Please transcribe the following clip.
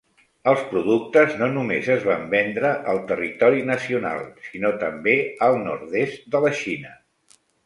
Els productes no només es van vendre al territori nacional, sinó també al nord-est de la Xina.